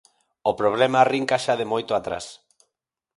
O problema arrinca xa de moito atrás.